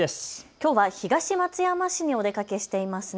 きょうは東松山市にお出かけしていますね。